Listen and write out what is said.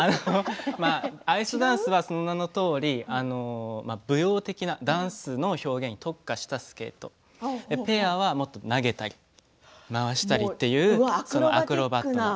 アイスダンスはその名のとおり舞踊的なダンスの要素に特化したスケートペアはもっと投げたり回したりというアクロバチックな。